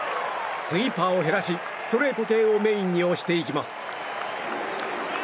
スイーパーを減らしストレート系をメインに押していきます。